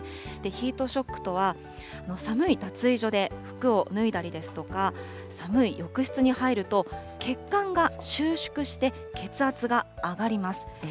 ヒートショックとは、寒い脱衣所で服を脱いだりですとか、寒い浴室に入ると、血管が収縮して血圧が上がります。